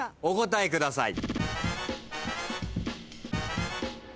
お答えください。